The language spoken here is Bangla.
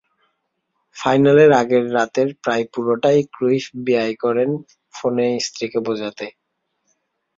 ফাইনালের আগের রাতের প্রায় পুরোটাই ক্রুইফ ব্যয় করেন ফোনে স্ত্রীকে বোঝাতে।